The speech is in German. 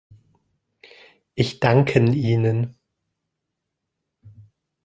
Ich danken Ihnen.